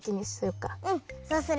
うんそうする。